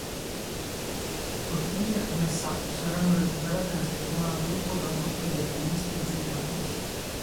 Bottiglia e messaggio saranno recuperati una settimana dopo da un gruppo di alpinisti britannici.